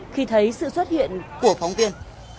khi thấy sự xuất hiện của phóng tiên